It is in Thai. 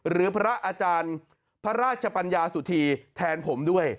หรือพระอาจารย์พระราชปัญญาสุธีแทนผมด้วย